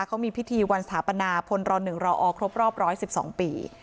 เขามีพิธีวันสถาปนาพลรณหนึ่งรออครบรอบร้อยสิบสองปี